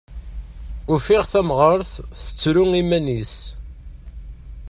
Ufiɣ tamɣart tettru iman-is.